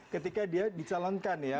ketika dia dicalonkan ya